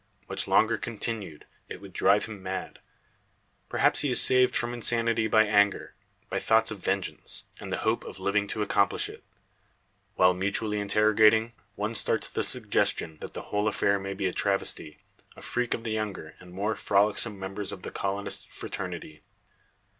Much longer continued it would drive him mad. Perhaps he is saved from insanity by anger by thoughts of vengeance, and the hope of living to accomplish it. While mutually interrogating, one starts the suggestion that the whole affair may be a travestie a freak of the younger, and more frolicksome members of the colonist fraternity.